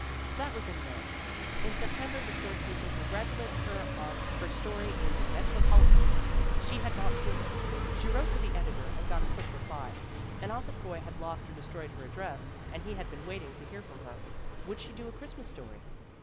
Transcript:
" That was in May ; in September the storekeeper con gratulated her on her story in the Metropolitan. She had not seen it. She wrote to the editor and got a quick reply. An office boy had lost or destroyed her address and he had been waiting to hear from her. Would she do a Christmas story?